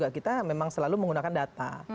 kita memang selalu menggunakan data